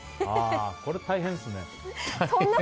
これ、大変ですね。